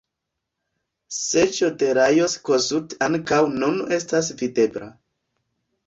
Seĝo de Lajos Kossuth ankaŭ nun estas videbla.